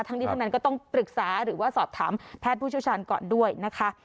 ทั้งนี้ทั้งนั้นก็ต้องปรึกษาหรือว่าสอบถามแพทย์ผู้เชี่ยวชาญก่อนด้วยนะคะ